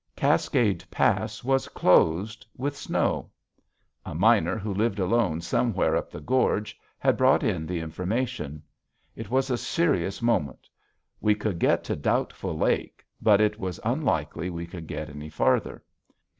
Cascade Pass was closed with snow. A miner who lived alone somewhere up the gorge had brought in the information. It was a serious moment. We could get to Doubtful Lake, but it was unlikely we could get any farther.